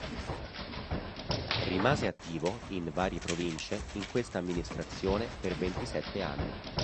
Rimase attivo, in varie provincie, in questa amministrazione per ventisette anni.